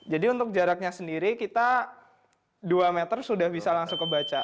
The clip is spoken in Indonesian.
jadi untuk jaraknya sendiri kita dua meter sudah bisa langsung kebaca